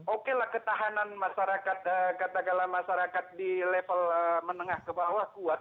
oke lah ketahanan masyarakat katakanlah masyarakat di level menengah ke bawah kuat